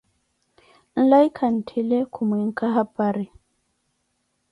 Nlaiku nttile kumwinka hapari